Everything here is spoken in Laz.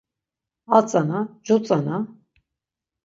A tzana cu tzana.